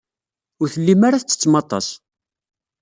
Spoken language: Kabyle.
Ur tellim ara tettettem aṭas.